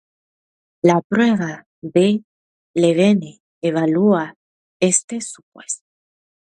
La prueba de Levene evalúa este supuesto.